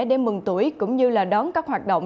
để mừng tuổi cũng như là đón các hoạt động